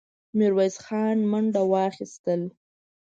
ميرويس خان منډه واخيسته.